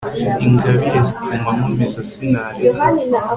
ingabire zituma nkomeza sinareka